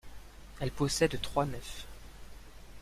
Elle possède trois nefs.